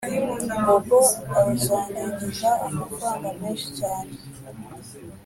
bobo azanyogeza amafaranga menshi cyane